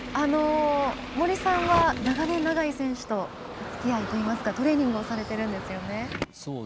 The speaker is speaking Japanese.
森さんは長年、永井選手とおつきあいというかトレーニングをされてるんですよね。